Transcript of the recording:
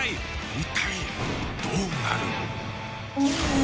一体どうなる。